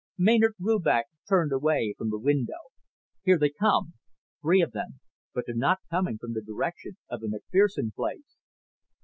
Maynard Rubach turned away from the window. "Here they come. Three of them. But they're not coming from the direction of the McFerson place."